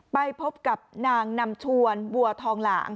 ไปพบกับนางนำชวนบัวทองหลาง